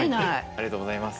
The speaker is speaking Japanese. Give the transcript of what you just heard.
ありがとうございます。